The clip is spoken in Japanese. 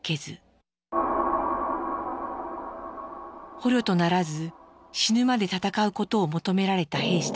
捕虜とならず死ぬまで戦うことを求められた兵士たち。